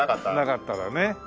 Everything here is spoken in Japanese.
なかったらね。